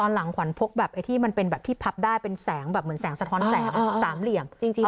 หาอ่ะส่องนี้